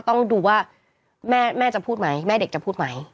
ต้องดูว่าแม่จะพูดไหมแม่เด็กจะพูดไหม